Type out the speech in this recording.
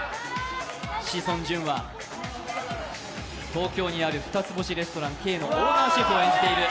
志尊淳は東京にある二つ星レストラン・Ｋのオーナーシェフを演じている。